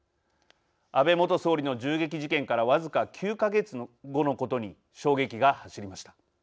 安倍元総理の銃撃事件から僅か９か月後のことに衝撃が走りました。